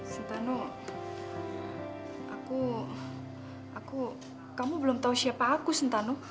senta nuh aku aku kamu belum tahu siapa aku senta nuh